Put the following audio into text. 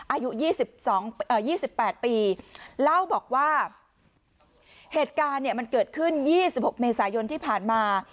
อายุ๒๘ปีเล่าบอกว่าเหตุการณ์เนี่ยมันเกิดขึ้น๒๖เมษายนที่ผ่านมา